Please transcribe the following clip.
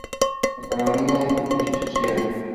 Economía y justicia social.